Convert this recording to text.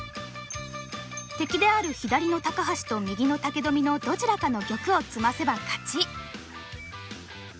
敵である左の高橋と右の武富のどちらかの玉を詰ませば勝ち。